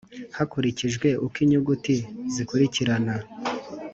hakurikijwe uko inyuguti zikurikirana